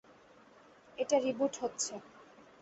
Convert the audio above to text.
এটা রিবুট হচ্ছে।